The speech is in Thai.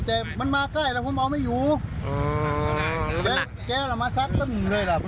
แต่มันมาใกล้แล้วผมเอาไม่อยู่แกน่ะมาซัดตึ้มเลยล่ะ